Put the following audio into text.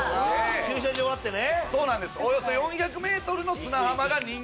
駐車場あってね。